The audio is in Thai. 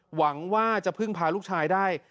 หวังว่าจะพึ่งพาลูกชายได้